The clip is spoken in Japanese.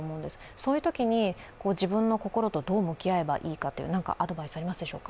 そういうときに自分の心とどう向き合えばいいのか何かアドバイスはありますでしょうか？